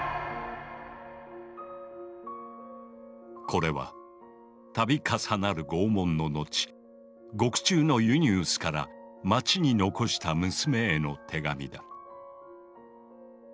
これは度重なる拷問の後獄中のユニウスから町に残した娘への手紙だ。